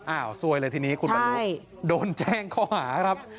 ซวยเลยทีนี้คุณบรรลุโดนแจ้งข้อหาครับ